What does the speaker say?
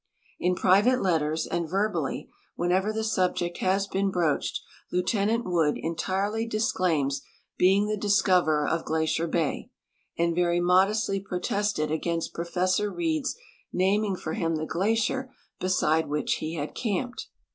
In ]>rivate letters and verbally, wlienever the subject has been Innached. Lieutenant Wood entirely disclaims being the discoverer of Glacier bay, and very modestly protested against Professor Reid's naming for him the glacier beside Avhich he had camped.